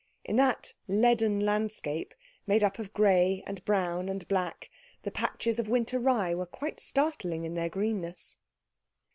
In that leaden landscape, made up of grey and brown and black, the patches of winter rye were quite startling in their greenness.